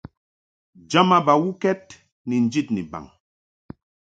Jama bawukɛd ni njid ni baŋ.